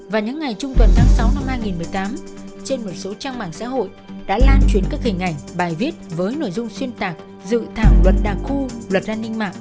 và những ngày trung tuần tháng sáu năm hai nghìn một mươi tám trên một số trang mạng xã hội đã lan truyền các hình ảnh bài viết với nội dung xuyên tạc dự thảo luật đặc khu luật an ninh mạng